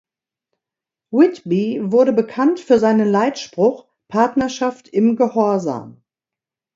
Whitby wurde bekannt für seinen Leitspruch „Partnerschaft im Gehorsam“.